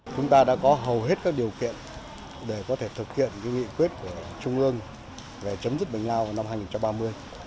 chúng ta đã có hầu hết các điều kiện để có thể thực hiện nghị quyết của trung ương về chấm dứt bệnh lao vào năm hai nghìn ba mươi